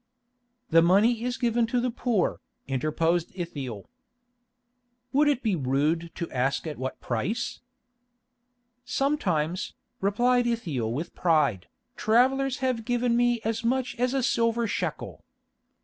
"The money is given to the poor," interposed Ithiel. "Would it be rude to ask at what price?" "Sometimes," replied Ithiel with pride, "travellers have given me as much as a silver shekel.